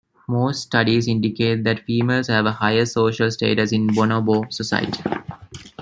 Most studies indicate that females have a higher social status in bonobo society.